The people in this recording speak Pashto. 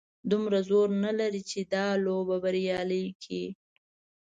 دومره زور نه لري چې دا لوبه بریالۍ کړي.